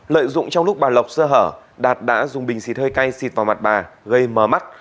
lợi dụng trong lúc bà lộc sơ hở đạt đã dùng bình xịt hơi cay xịt vào mặt bà gây mờ mắt